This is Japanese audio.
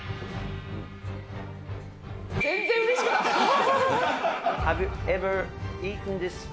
全然うれしくなさそう。